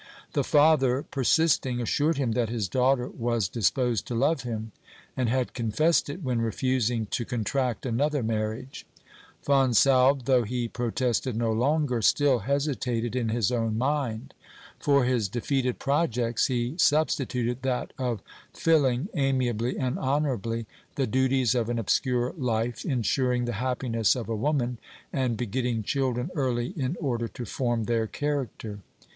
The father, persisting, assured him that his daughter was disposed to love him, and had confessed it when refusing to contract another marriage. Fonsalbe, though he protested no longer, still hesitated in his own mind. For his defeated projects he substituted that of filling, amiably and honourably, the duties of an obscure life, insuring the happiness of a woman, and begetting children early in order to form their character.